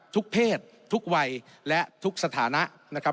เพศทุกวัยและทุกสถานะ